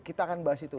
kita akan bahas itu